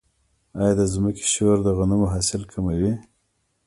آیا د ځمکې شور د غنمو حاصل کموي؟